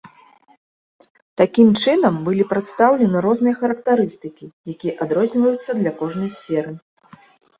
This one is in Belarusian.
Такім чынам былі прадстаўлены розныя характарыстыкі, якія адрозніваюцца для кожнай сферы.